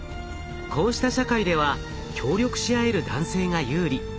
こうした社会では協力し合える男性が有利。